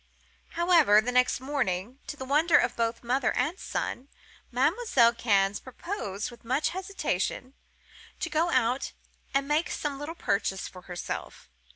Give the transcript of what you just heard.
"However, the next morning, to the wonder of both mother and son, Mademoiselle Cannes proposed, with much hesitation, to go out and make some little purchase for herself.